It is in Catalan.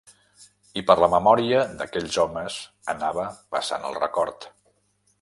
I per la memòria d'aquells homes anava passant el record.